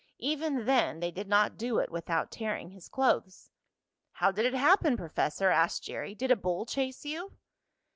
Even then they did not do it without tearing his clothes. "How did it happen, Professor?" asked Jerry. "Did a bull chase you?"